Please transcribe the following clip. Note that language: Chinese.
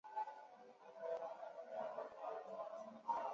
首府佛罗伦萨。